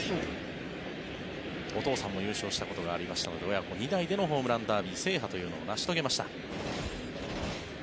お父さんも優勝したことがありましたので親子２代でのホームランダービー制覇というのを成し遂げました。